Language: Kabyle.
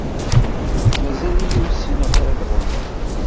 Mazal-iyi ur ssineɣ ara ad ɛummeɣ.